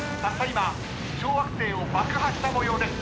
今小惑星を爆破したもようです。